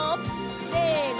せの！